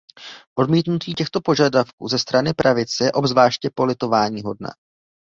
Odmítnutí těchto požadavků ze strany pravice je obzvláště politováníhodné.